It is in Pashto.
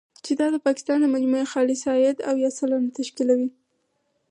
چې دا د پاکستان د مجموعي خالص عاید، اویا سلنه تشکیلوي.